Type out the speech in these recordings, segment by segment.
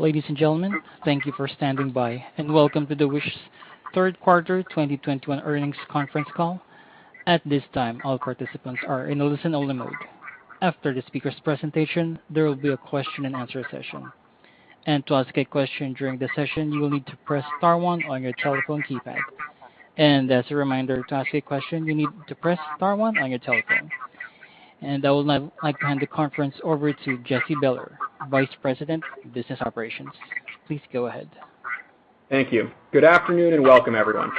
Ladies and gentlemen, thank you for standing by and welcome to the Wish Third quarter 2021 earnings conference call. At this time, all participants are in a listen-only mode. After the speaker's presentation, there will be a question-and-answer session. To ask a question during the session, you will need to press star 1 on your telephone keypad. As a reminder, to ask a question, you need to press star one on your telephone. I would now like to hand the conference over to Jesse Biller, Vice President of Business Operations. Please go ahead. Thank you. Good afternoon, and welcome everyone.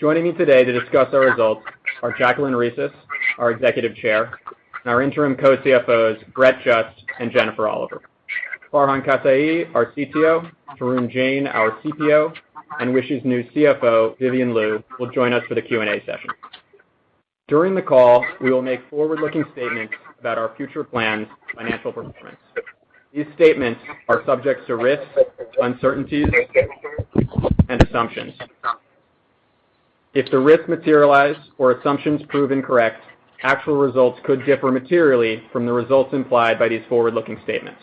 Joining me today to discuss our results are Jacqueline Reses, our Executive Chair, and our Interim Co-CFOs, Brett Just and Jennifer Oliver. Farhan Kasai, our CTO, Tarun Jain, our CPO, and Wish's new CFO, Vivian Liu, will join us for the Q&A session. During the call, we will make forward-looking statements about our future plans, financial performance. These statements are subject to risks, uncertainties, and assumptions. If the risks materialize or assumptions prove incorrect, actual results could differ materially from the results implied by these forward-looking statements.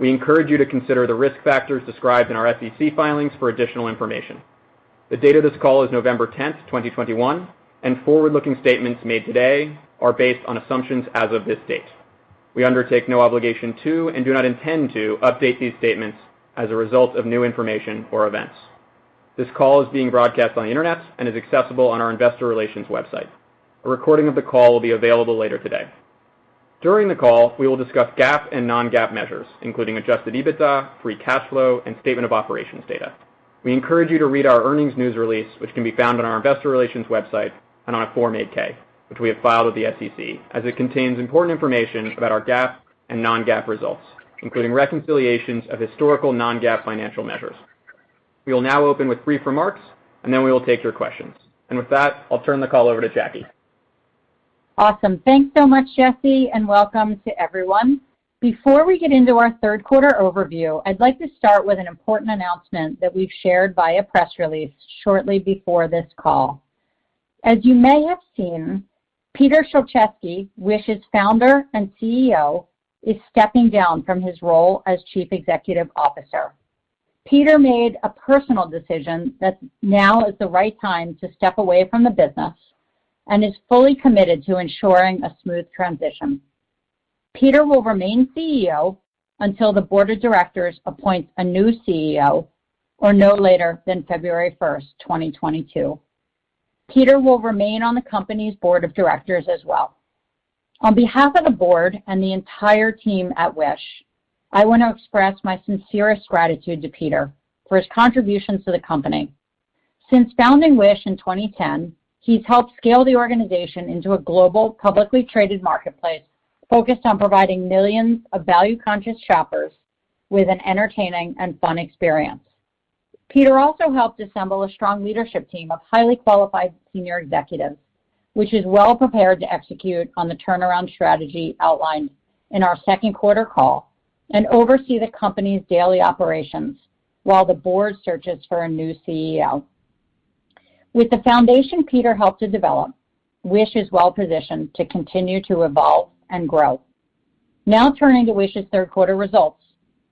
We encourage you to consider the risk factors described in our SEC filings for additional information. The date of this call is November 10, 2021, and forward-looking statements made today are based on assumptions as of this date. We undertake no obligation to and do not intend to update these statements as a result of new information or events. This call is being broadcast on the internet and is accessible on our investor relations website. A recording of the call will be available later today. During the call, we will discuss GAAP and non-GAAP measures, including Adjusted EBITDA, free cash flow, and statement of operations data. We encourage you to read our earnings news release, which can be found on our Investor Relations website and on a Form 8-K, which we have filed with the SEC, as it contains important information about our GAAP and non-GAAP results, including reconciliations of historical non-GAAP financial measures. We will now open with brief remarks, and then we will take your questions. With that, I'll turn the call over to Jackie. Awesome. Thanks so much, Jesse, and welcome to everyone. Before we get into our third quarter overview, I'd like to start with an important announcement that we've shared via press release shortly before this call. As you may have seen, Piotr Szulczewski, Wish's founder and CEO, is stepping down from his role as chief executive officer. Piotr made a personal decision that now is the right time to step away from the business and is fully committed to ensuring a smooth transition. Piotr will remain CEO until the board of directors appoints a new CEO or no later than February 1, 2022. Piotr will remain on the company's board of directors as well. On behalf of the board and the entire team at Wish, I want to express my sincerest gratitude to Piotr for his contributions to the company. Since founding Wish in 2010, he's helped scale the organization into a global publicly traded marketplace focused on providing millions of value-conscious shoppers with an entertaining and fun experience. Piotr also helped assemble a strong leadership team of highly qualified senior executives, which is well prepared to execute on the turnaround strategy outlined in our second quarter call and oversee the company's daily operations while the board searches for a new CEO. With the foundation Piotr helped to develop, Wish is well-positioned to continue to evolve and grow. Now turning to Wish's third quarter results.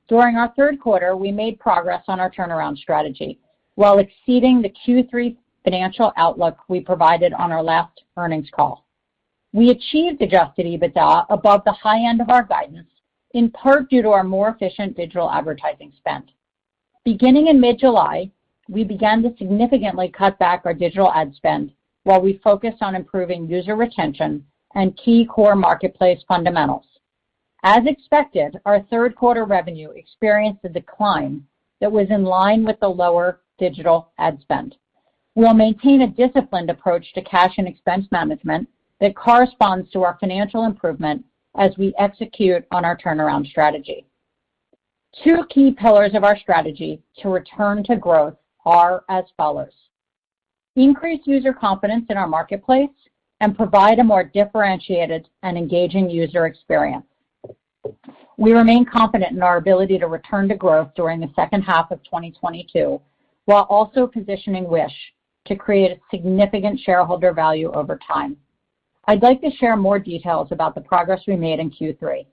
During our third quarter, we made progress on our turnaround strategy while exceeding the Q3 financial outlook we provided on our last earnings call. We achieved Adjusted EBITDA above the high end of our guidance, in part due to our more efficient digital advertising spend. Beginning in mid-July, we began to significantly cut back our digital ad spend while we focused on improving user retention and key core marketplace fundamentals. As expected, our third quarter revenue experienced a decline that was in line with the lower digital ad spend. We'll maintain a disciplined approach to cash and expense management that corresponds to our financial improvement as we execute on our turnaround strategy. Two key pillars of our strategy to return to growth are as follows. Increase user confidence in our marketplace and provide a more differentiated and engaging user experience. We remain confident in our ability to return to growth during the second half of 2022, while also positioning Wish to create a significant shareholder value over time. I'd like to share more details about the progress we made in Q3.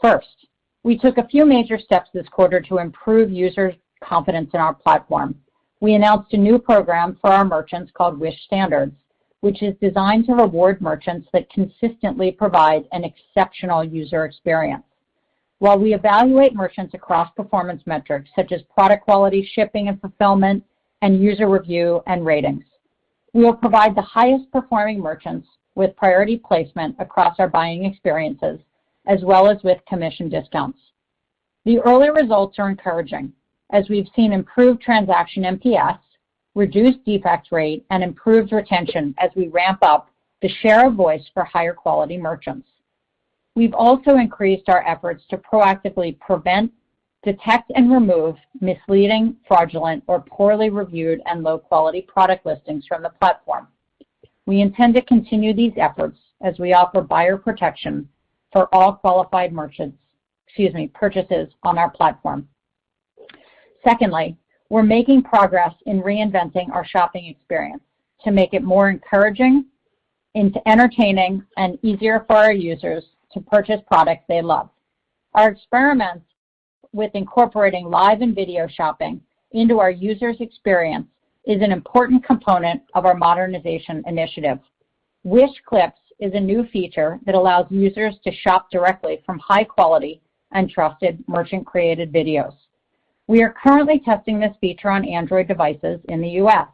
First, we took a few major steps this quarter to improve users' confidence in our platform. We announced a new program for our merchants called Wish Standards, which is designed to reward merchants that consistently provide an exceptional user experience. While we evaluate merchants across performance metrics such as product quality, shipping and fulfillment, and user review and ratings, we will provide the highest performing merchants with priority placement across our buying experiences, as well as with commission discounts. The early results are encouraging as we've seen improved transaction NPS, reduced defect rate, and improved retention as we ramp up the share of voice for higher quality merchants. We've also increased our efforts to proactively prevent, detect, and remove misleading, fraudulent or poorly reviewed and low-quality product listings from the platform. We intend to continue these efforts as we offer buyer protection for all qualified merchants, excuse me, purchases on our platform. Secondly, we're making progress in reinventing our shopping experience to make it more encouraging and entertaining and easier for our users to purchase products they love. Our experiments with incorporating live and video shopping into our users' experience is an important component of our modernization initiative. Wish Clips is a new feature that allows users to shop directly from high quality and trusted merchant-created videos. We are currently testing this feature on Android devices in the U.S.,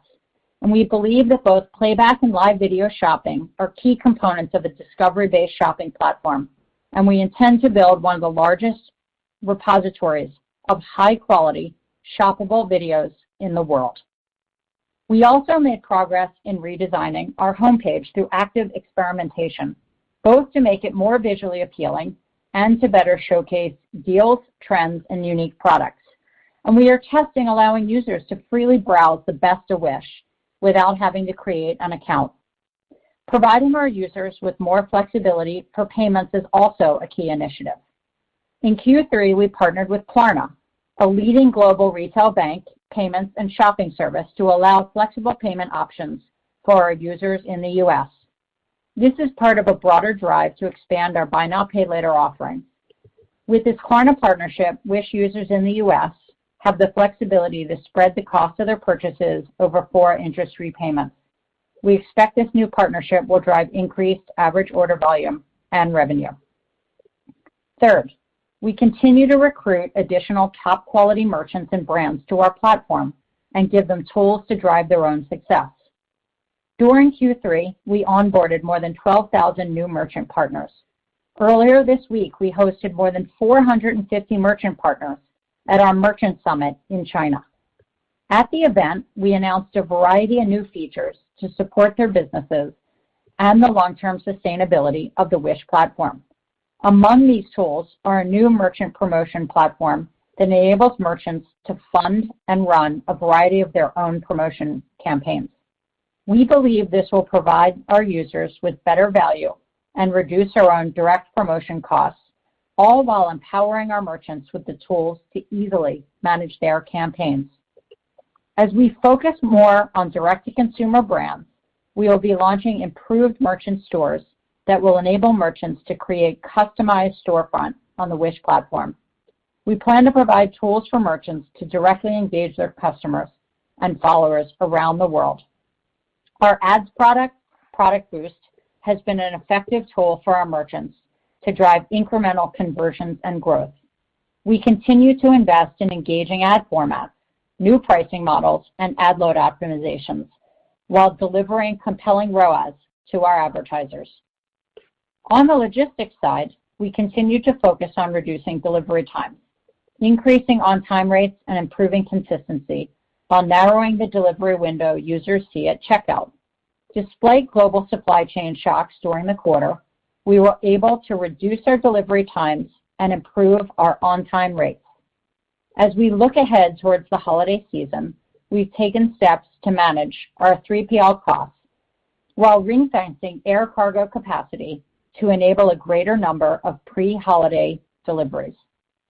and we believe that both playback and live video shopping are key components of a discovery-based shopping platform, and we intend to build one of the largest repositories of high-quality shoppable videos in the world. We also made progress in redesigning our homepage through active experimentation, both to make it more visually appealing and to better showcase deals, trends, and unique products. We are testing allowing users to freely browse the best of Wish without having to create an account. Providing our users with more flexibility for payments is also a key initiative. In Q3, we partnered with Klarna, a leading global retail bank, payments, and shopping service to allow flexible payment options for our users in the U.S. This is part of a broader drive to expand our buy now, pay later offering. With this Klarna partnership, Wish users in the U.S. have the flexibility to spread the cost of their purchases over four interest-free payments. We expect this new partnership will drive increased average order volume and revenue. Third, we continue to recruit additional top-quality merchants and brands to our platform and give them tools to drive their own success. During Q3, we onboarded more than 12,000 new merchant partners. Earlier this week, we hosted more than 450 merchant partners at our merchant summit in China. At the event, we announced a variety of new features to support their businesses and the long-term sustainability of the Wish platform. Among these tools are a new merchant promotion platform that enables merchants to fund and run a variety of their own promotion campaigns. We believe this will provide our users with better value and reduce our own direct promotion costs, all while empowering our merchants with the tools to easily manage their campaigns. As we focus more on direct-to-consumer brands, we will be launching improved merchant stores that will enable merchants to create customized storefronts on the Wish platform. We plan to provide tools for merchants to directly engage their customers and followers around the world. Our ads product, ProductBoost, has been an effective tool for our merchants to drive incremental conversions and growth. We continue to invest in engaging ad formats, new pricing models, and ad load optimizations while delivering compelling ROAS to our advertisers. On the logistics side, we continue to focus on reducing delivery time, increasing on-time rates, and improving consistency while narrowing the delivery window users see at checkout. Despite global supply chain shocks during the quarter, we were able to reduce our delivery times and improve our on-time rates. As we look ahead towards the holiday season, we've taken steps to manage our 3PL costs while ring-fencing air cargo capacity to enable a greater number of pre-holiday deliveries.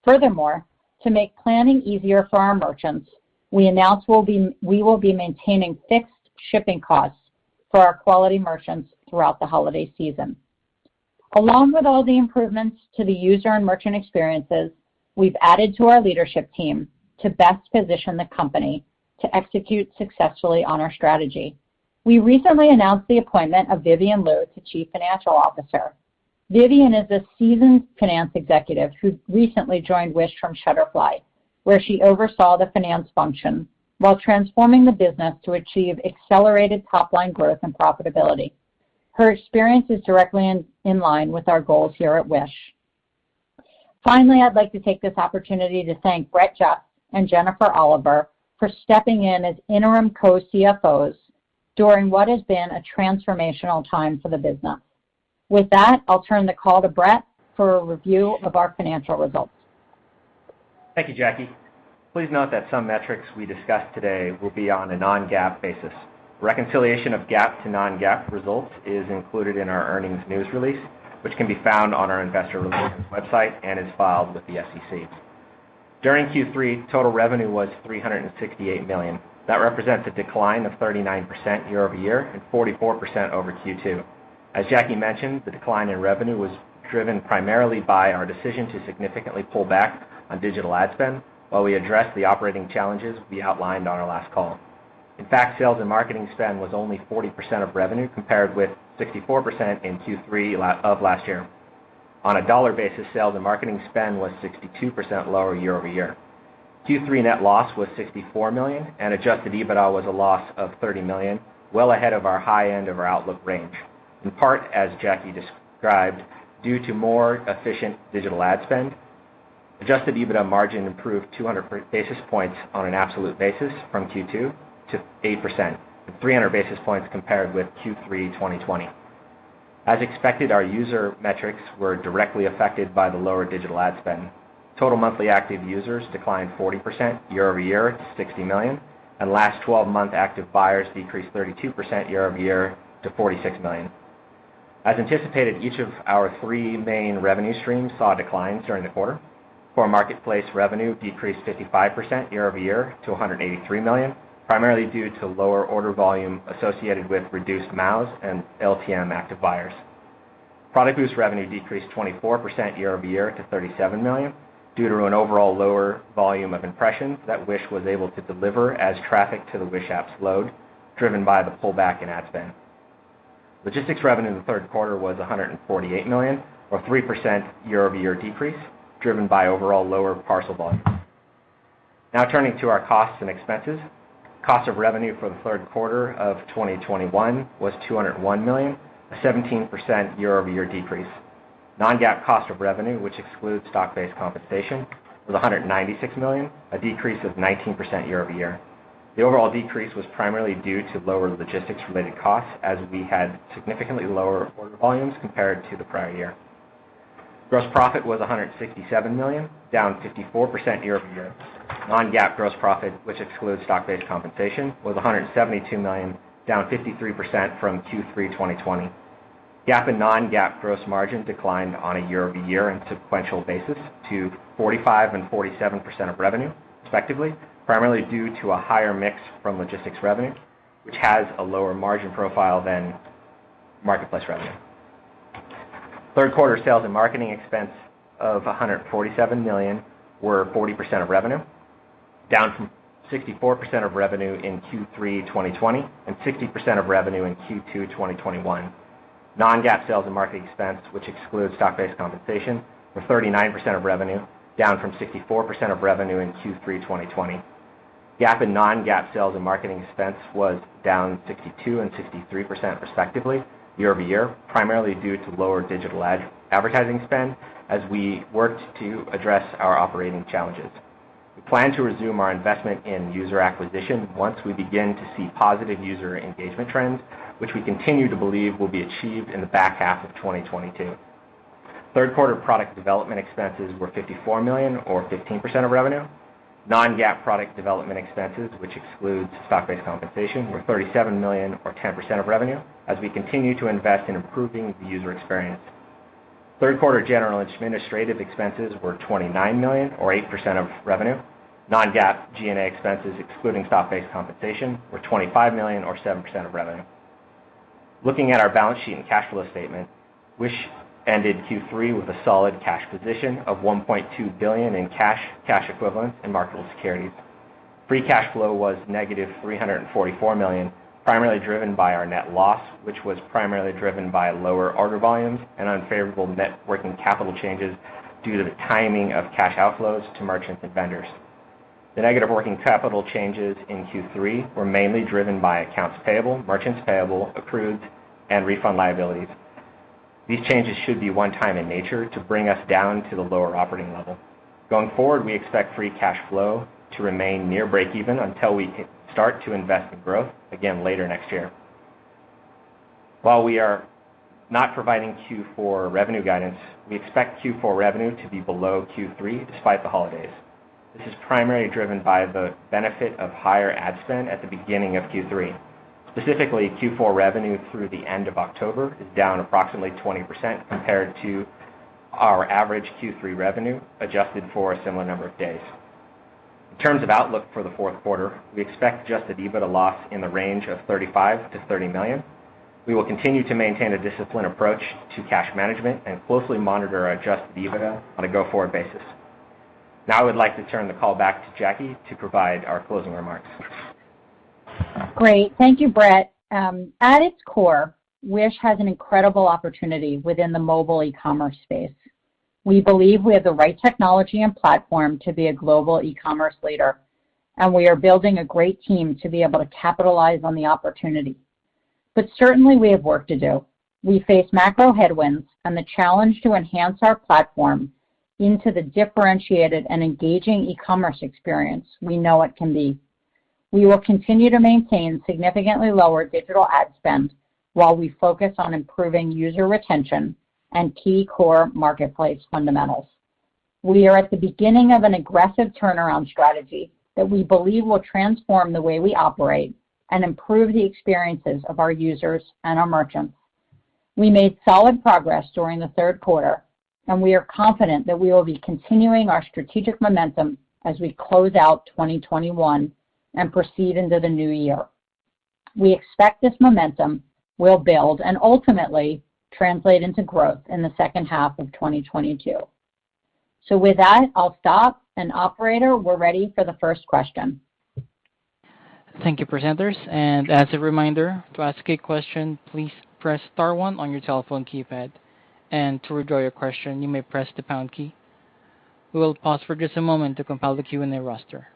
Furthermore, to make planning easier for our merchants, we announced we will be maintaining fixed shipping costs for our quality merchants throughout the holiday season. Along with all the improvements to the user and merchant experiences, we've added to our leadership team to best position the company to execute successfully on our strategy. We recently announced the appointment of Vivian Liu to Chief Financial Officer. Vivian is a seasoned finance executive who recently joined Wish from Shutterfly, where she oversaw the finance function while transforming the business to achieve accelerated top-line growth and profitability. Her experience is directly in line with our goals here at Wish. Finally, I'd like to take this opportunity to thank Brett Just and Jennifer Oliver for stepping in as interim co-CFOs during what has been a transformational time for the business. With that, I'll turn the call to Brett for a review of our financial results. Thank you, Jackie. Please note that some metrics we discuss today will be on a non-GAAP basis. Reconciliation of GAAP to non-GAAP results is included in our earnings news release, which can be found on our Investor Relations website and is filed with the SEC. During Q3, total revenue was $368 million. That represents a decline of 39% year-over-year and 44% over Q2. As Jackie mentioned, the decline in revenue was driven primarily by our decision to significantly pull back on digital ad spend while we address the operating challenges we outlined on our last call. In fact, sales and marketing spend was only 40% of revenue, compared with 64% in Q3 of last year. On a dollar basis, sales and marketing spend was 62% lower year-over-year. Q3 net loss was $64 million, and Adjusted EBITDA was a loss of $30 million, well ahead of our high end of our outlook range. In part, as Jackie described, due to more efficient digital ad spend, Adjusted EBITDA margin improved 200 basis points on an absolute basis from Q2 to 8%, and 300 basis points compared with Q3 2020. As expected, our user metrics were directly affected by the lower digital ad spend. Total monthly active users declined 40% year-over-year to 60 million, and last 12-month active buyers decreased 32% year-over-year to 46 million. As anticipated, each of our three main revenue streams saw declines during the quarter. Core marketplace revenue decreased 55% year-over-year to $183 million, primarily due to lower order volume associated with reduced MAUs and LTM active buyers. ProductBoost revenue decreased 24% year-over-year to $37 million due to an overall lower volume of impressions that Wish was able to deliver as traffic to the Wish app slowed, driven by the pullback in ad spend. Logistics revenue in the third quarter was $148 million, or 3% year-over-year decrease, driven by overall lower parcel volume. Now turning to our costs and expenses. Cost of revenue for the third quarter of 2021 was $201 million, a 17% year-over-year decrease. Non-GAAP cost of revenue, which excludes stock-based compensation, was $196 million, a decrease of 19% year-over-year. The overall decrease was primarily due to lower logistics-related costs as we had significantly lower order volumes compared to the prior year. Gross profit was $167 million, down 54% year-over-year. Non-GAAP gross profit, which excludes stock-based compensation, was $172 million, down 53% from Q3 2020. GAAP and non-GAAP gross margin declined on a year-over-year and sequential basis to 45% and 47% of revenue, respectively, primarily due to a higher mix from logistics revenue, which has a lower margin profile than marketplace revenue. Third quarter sales and marketing expense of $147 million were 40% of revenue, down from 64% of revenue in Q3 2020 and 60% of revenue in Q2 2021. Non-GAAP sales and marketing expense, which excludes stock-based compensation, were 39% of revenue, down from 64% of revenue in Q3 2020. GAAP and non-GAAP sales and marketing expense was down 62% and 63% respectively year-over-year, primarily due to lower digital advertising spend as we worked to address our operating challenges. We plan to resume our investment in user acquisition once we begin to see positive user engagement trends, which we continue to believe will be achieved in the back half of 2022. Third quarter product development expenses were $54 million, or 15% of revenue. Non-GAAP product development expenses, which excludes stock-based compensation, were $37 million, or 10% of revenue, as we continue to invest in improving the user experience. Third quarter general and administrative expenses were $29 million, or 8% of revenue. Non-GAAP G&A expenses, excluding stock-based compensation, were $25 million or 7% of revenue. Looking at our balance sheet and cash flow statement, Wish ended Q3 with a solid cash position of $1.2 billion in cash equivalents, and marketable securities. Free cash flow was negative $344 million, primarily driven by our net loss, which was primarily driven by lower order volumes and unfavorable net working capital changes due to the timing of cash outflows to merchants and vendors. The negative working capital changes in Q3 were mainly driven by accounts payable, merchants payable, approved, and refund liabilities. These changes should be one-time in nature to bring us down to the lower operating level. Going forward, we expect free cash flow to remain near breakeven until we start to invest in growth again later next year. While we are not providing Q4 revenue guidance, we expect Q4 revenue to be below Q3 despite the holidays. This is primarily driven by the benefit of higher ad spend at the beginning of Q3. Specifically, Q4 revenue through the end of October is down approximately 20% compared to our average Q3 revenue, adjusted for a similar number of days. In terms of outlook for the fourth quarter, we expect Adjusted EBITDA loss in the range of $35 million-$30 million. We will continue to maintain a disciplined approach to cash management and closely monitor our Adjusted EBITDA on a go-forward basis. Now I would like to turn the call back to Jackie to provide our closing remarks. Great. Thank you, Brett. At its core, Wish has an incredible opportunity within the mobile e-commerce space. We believe we have the right technology and platform to be a global e-commerce leader, and we are building a great team to be able to capitalize on the opportunity. Certainly, we have work to do. We face macro headwinds and the challenge to enhance our platform into the differentiated and engaging e-commerce experience we know it can be. We will continue to maintain significantly lower digital ad spend while we focus on improving user retention and key core marketplace fundamentals. We are at the beginning of an aggressive turnaround strategy that we believe will transform the way we operate and improve the experiences of our users and our merchants. We made solid progress during the third quarter, and we are confident that we will be continuing our strategic momentum as we close out 2021 and proceed into the new year. We expect this momentum will build and ultimately translate into growth in the second half of 2022. With that, I'll stop. Operator, we're ready for the first question. Thank you, presenters. As a reminder, to ask a question, please press star 1 on your telephone keypad. To withdraw your question, you may press the pound key. We will pause for just a moment to compile the Q&A roster.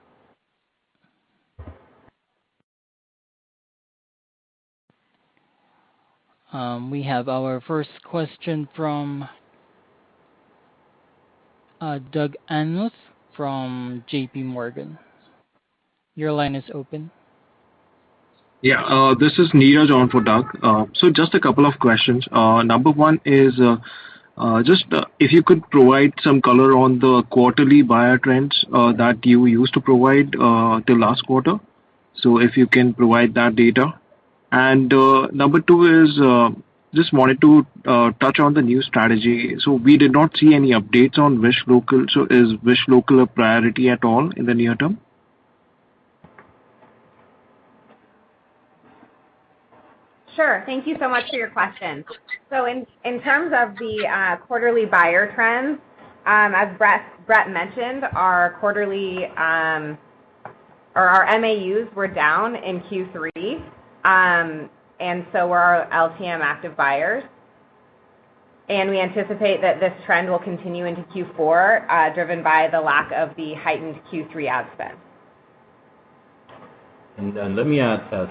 We have our first question from Doug Anmuth from J.P. Morgan. Your line is open. Yeah. This is Neeraj on for Doug Anmuth. Just a couple of questions. Number one is just if you could provide some color on the quarterly buyer trends that you used to provide till last quarter. If you can provide that data. Number two is I just wanted to touch on the new strategy. We did not see any updates on Wish Local. Is Wish Local a priority at all in the near term? Sure. Thank you so much for your question. In terms of the quarterly buyer trends, as Brett mentioned, our MAUs were down in Q3, and so were our LTM active buyers. We anticipate that this trend will continue into Q4, driven by the lack of the heightened Q3 ad spend.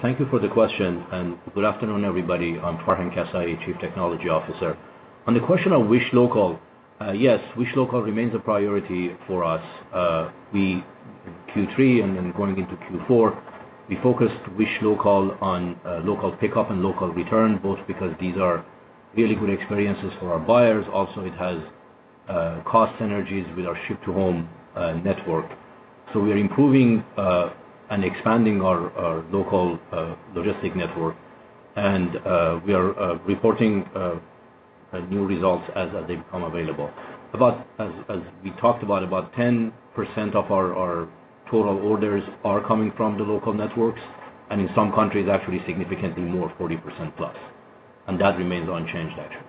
Thank you for the question, and good afternoon, everybody. I'm Farhan Kasai, Chief Technology Officer. On the question of Wish Local, yes, Wish Local remains a priority for us. We in Q3 and then going into Q4, we focused Wish Local on local pickup and local return, both because these are really good experiences for our buyers. Also, it has cost synergies with our ship-to-home network. We are improving and expanding our local logistic network. We are reporting new results as they become available. As we talked about 10% of our total orders are coming from the local networks, and in some countries actually significantly more, 40% plus. That remains unchanged actually.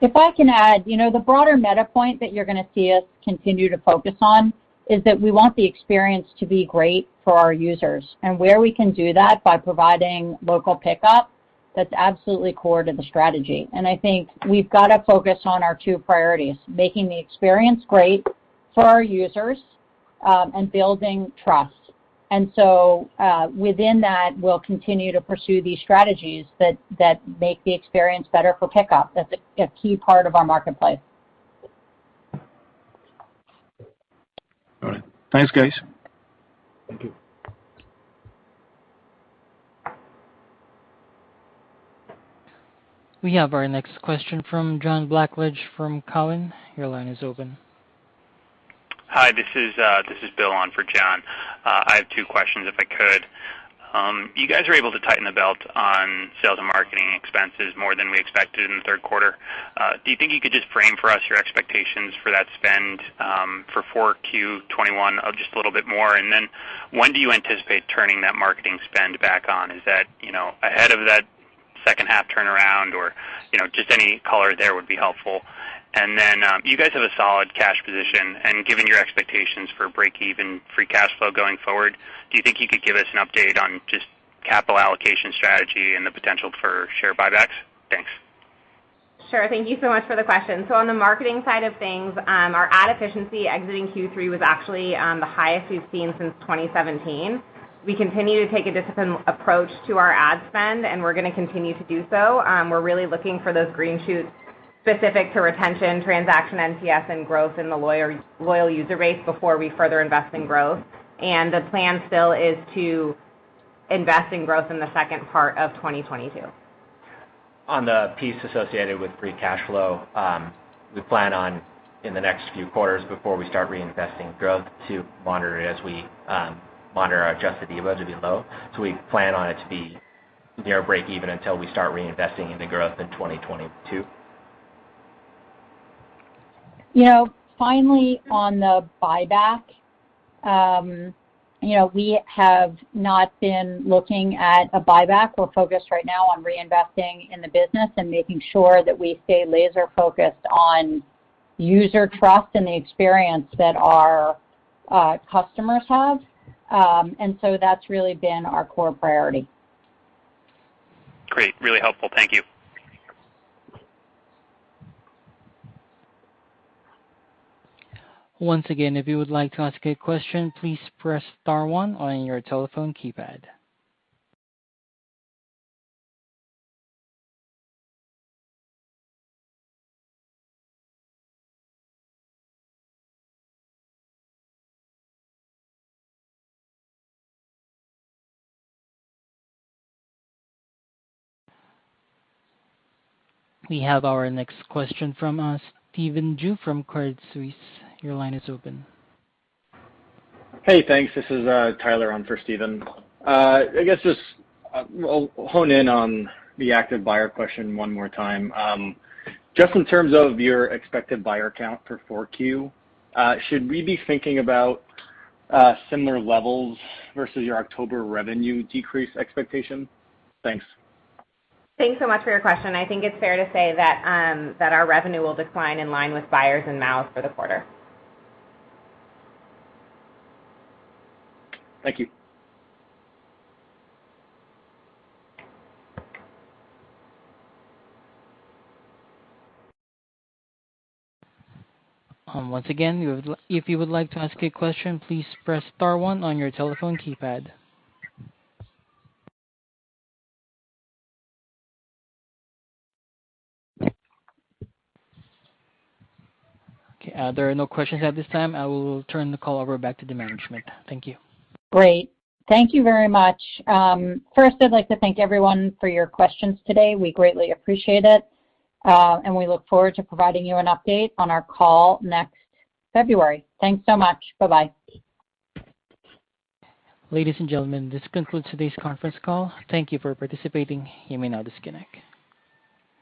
If I can add, you know, the broader meta point that you're gonna see us continue to focus on is that we want the experience to be great for our users. Where we can do that by providing local pickup, that's absolutely core to the strategy. I think we've gotta focus on our two priorities, making the experience great for our users, and building trust. Within that, we'll continue to pursue these strategies that make the experience better for pickup. That's a key part of our marketplace. All right. Thanks, guys. Thank you. We have our next question from John Blackledge from Cowen. Your line is open. Hi, this is Bill on for John. I have two questions if I could. You guys were able to tighten the belt on sales and marketing expenses more than we expected in the third quarter. Do you think you could just frame for us your expectations for that spend for Q4 2021 just a little bit more? When do you anticipate turning that marketing spend back on? Is that, you know, ahead of that second half turnaround or, you know, just any color there would be helpful. You guys have a solid cash position, and given your expectations for break-even free cash flow going forward, do you think you could give us an update on just capital allocation strategy and the potential for share buybacks? Thanks. Sure. Thank you so much for the question. On the marketing side of things, our ad efficiency exiting Q3 was actually the highest we've seen since 2017. We continue to take a disciplined approach to our ad spend, and we're gonna continue to do so. We're really looking for those green shoots specific to retention, transaction, NPS, and growth in the loyal user base before we further invest in growth. The plan still is to invest in growth in the second part of 2022. On the piece associated with free cash flow, we plan on in the next few quarters before we start reinvesting growth to monitor it as we monitor our Adjusted EBITDA to be low. We plan on it to be near break even until we start reinvesting in the growth in 2022. You know, finally, on the buyback, you know, we have not been looking at a buyback. We're focused right now on reinvesting in the business and making sure that we stay laser focused on user trust and the experience that our customers have. That's really been our core priority. Great. Really helpful. Thank you. Once again, if you would like to ask a question, please press star 1 on your telephone keypad. We have our next question from Stephen Ju from Credit Suisse. Your line is open. Hey, thanks. This is Tyler on for Stephen Ju. I guess just we'll hone in on the active buyer question one more time. Just in terms of your expected buyer count for Q4, should we be thinking about similar levels versus your October revenue decrease expectation? Thanks. Thanks so much for your question. I think it's fair to say that our revenue will decline in line with buyers and MAUs for the quarter. Thank you. Once again, if you would like to ask a question, please press star 1 on your telephone keypad. Okay, there are no questions at this time. I will turn the call over back to the management. Thank you. Great. Thank you very much. First I'd like to thank everyone for your questions today. We greatly appreciate it, and we look forward to providing you an update on our call next February. Thanks so much. Bye-bye. Ladies and gentlemen, this concludes today's conference call. Thank you for participating. You may now disconnect.